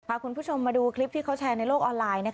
คุณผู้ชมมาดูคลิปที่เขาแชร์ในโลกออนไลน์